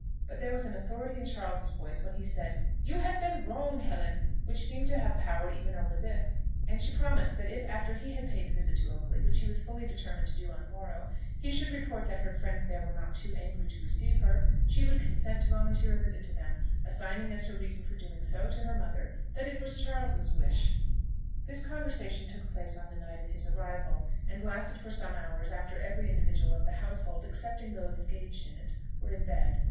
But there was an authority in Charles's voice when he said, "You have been wrong, Helen," which seemed to have power even over this, and she promised that if after he paid the visit to Oakley, which he was fully determined to do on the morrow, he should report that her friends there were not too angry to receive her, she would consent to volunteer a visit to them, assigning as her reason for doing so, to her mother, that it was Charles's wish. This conversation took place on the night of his arrival, and lasted for some hours after every individual of the household, excepting those engaged in it, were in bed.